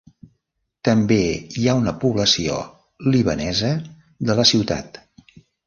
També hi ha una població libanesa de la ciutat.